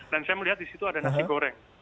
dan saya melihat di situ ada nasi goreng